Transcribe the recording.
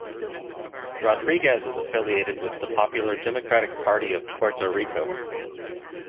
Rodriguez is affiliated with the Popular Democratic Party of Puerto Rico.